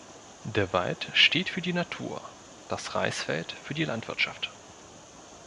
Der Wald steht für die Natur, das Reisfeld für die Landwirtschaft.